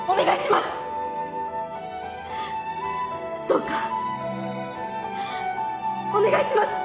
どうかお願いします。